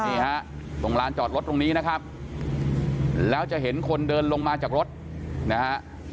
นี่ฮะตรงลานจอดรถตรงนี้นะครับแล้วจะเห็นคนเดินลงมาจากรถนะฮะ